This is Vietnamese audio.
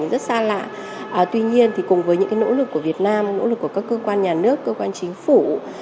rất xa lạ tuy nhiên cùng với những nỗ lực của việt nam nỗ lực của các cơ quan nhà nước cơ quan chính phủ